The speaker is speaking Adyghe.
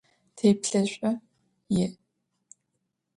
Теплъэшӏу иӏ.